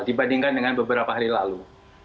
dibandingkan dengan beberapa hari lalu